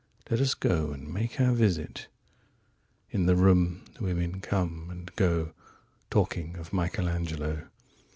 "12Let us go and make our visit.13In the room the women come and go14Talking of Michelangelo.